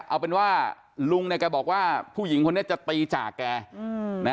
เอาเป็นว่าลุงเนี่ยแกบอกว่าผู้หญิงคนนี้จะตีจากแกนะ